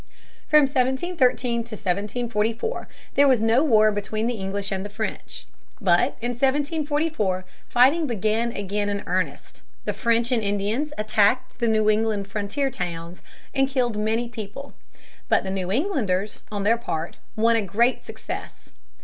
From 1713 until 1744 there was no war between the English and the French. But in 1744 fighting began again in earnest. The French and Indians attacked the New England frontier towns and killed many people. But the New Englanders, on their part, won a great success.